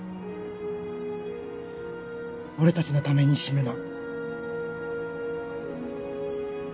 俺たちのために死ぬな。